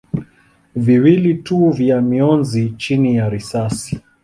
viwili tu vya mionzi chini ya risasi.